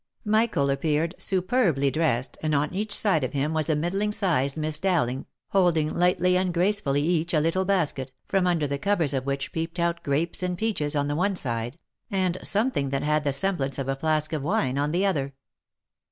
Michael appeared superbly dressed, and on each side of him was a middling sized Miss Dowling, holding lightly and gracefully each a little basket, from under the covers of which peeped out grapes and peaches on the one side, and something that had the semblance of a flask of wine on the other.